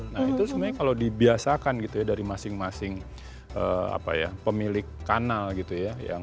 nah itu sebenarnya kalau dibiasakan gitu ya dari masing masing pemilik kanal gitu ya